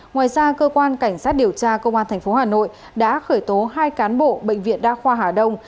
ngoài ra cơ quan cảnh sát điều tra công an tp hà nội đã khởi tố hai cán bộ bệnh viện đa khoa hà đông